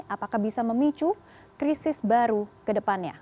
apakah bisa memicu krisis baru ke depannya